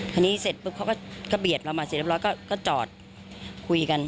เสร็จปุ๊บเขาก็เบียดเรามาเสร็จเรียบร้อยก็จอดคุยกัน